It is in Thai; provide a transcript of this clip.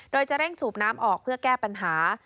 โดยจะเร่งสูบน้ำออกเพื่อแก้ปัญหา